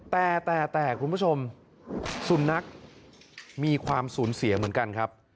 แต่แต่คุณผู้ชมสุนัขมีความสูญเสียเหมือนกันครับ